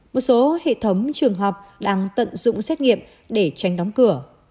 một số hệ thống trường học đang tận dụng xét nghiệm để tranh đóng cửa